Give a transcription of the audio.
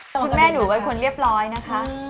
คุณแม่หนูเป็นคนเรียบร้อยนะคะ